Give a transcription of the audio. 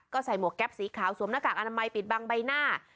ก็ใส่หมวกแก๊ปสีขาวสวมหน้ากากอนามัยปิดบังใบหน้า